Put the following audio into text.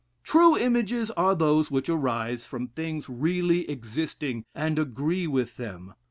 True images are those which arise from things really existing, and agree with them.